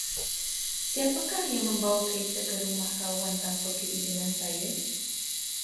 Siapakah yang membawa kereta ke rumah kawan tanpa keizinan saya?